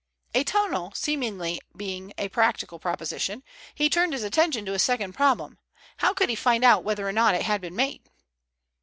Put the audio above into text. A tunnel seemingly being a practical proposition, he turned his attention to his second problem. How could he find out whether or not it had been made?